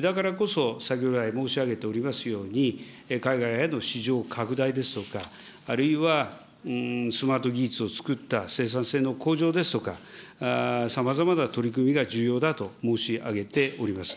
だからこそ先ほど来申し上げておりますように、海外への市場拡大ですとか、あるいはスマート技術をつくった生産性の向上ですとか、さまざまな取り組みが重要だと申し上げております。